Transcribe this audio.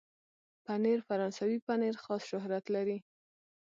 پنېر فرانسوي پنېر خاص شهرت لري.